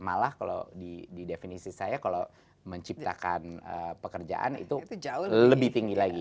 malah kalau di definisi saya kalau menciptakan pekerjaan itu lebih tinggi lagi